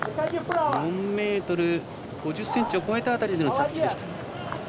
４ｍ５０ｃｍを超えた辺りでの着地でした。